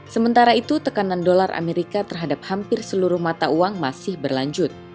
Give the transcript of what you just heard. sementara itu tekanan dolar amerika terhadap hampir seluruh mata uang masih berlanjut